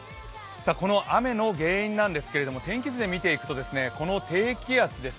この雨の原因なんですけれども天気図で見ていきますとこの低気圧です。